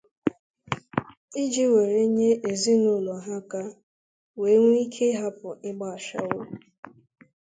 iji wee nyere ezinụlọ ha aka wee nwee ike hapụ ịgba ashawo.